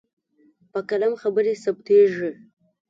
په قلم خبرې ثبتېږي.